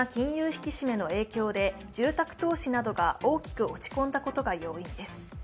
引き締めの影響で住宅投資などが大きく落ち込んだことが要因です。